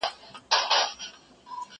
له هغه خو مي زړگی قلم قلم دئ